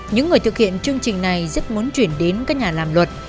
những người thực hiện chương trình này rất muốn chuyển đến các nhà làm luật